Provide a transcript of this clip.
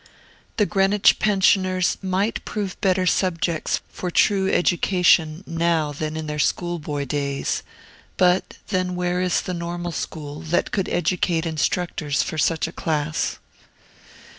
The Greenwich pensioners might prove better subjects for true education now than in their school boy days; but then where is the Normal School that could educate instructors for such a class?